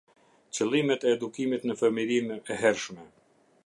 Qëllimet e Edukimit në Fëmijërinë e Hershme.